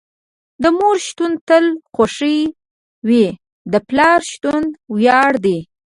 د مور شتون تل خوښې وي، د پلار شتون وياړ دي.